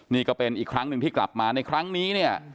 นี่ก็เป็นอีกครั้งหนึ่งที่กลับมาในครั้งนี้เนี่ย